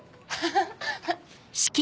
ハハハ。